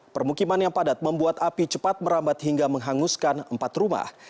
permukiman yang padat membuat api cepat merambat hingga menghanguskan empat rumah